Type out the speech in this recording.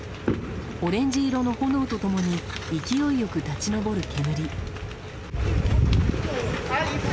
オレンジ色の炎と共に勢いよく立ち上る煙。